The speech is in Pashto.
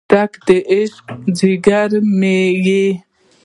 ډک د عشق ځیګر مې یې